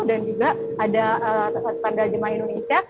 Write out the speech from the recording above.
dan juga ada tanda jemaah indonesia